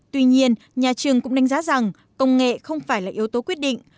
tuy nhiên nhà trường cũng đánh giá rằng công nghệ không phải là yếu tố quyết định